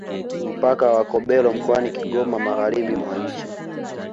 Mpaka wa Kobero mkoani Kigoma Magharibi mwa nchi